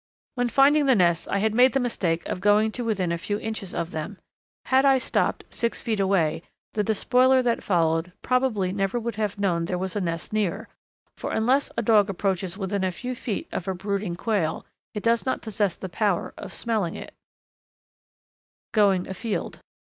When finding the nests I had made the mistake of going to within a few inches of them. Had I stopped six feet away the despoiler that followed probably never would have known there was a nest near, for unless a dog approaches within a very few feet of a brooding Quail it seems not to possess the power of smelling it. [Illustration: The Fox that Followed the Footsteps] _Going Afield.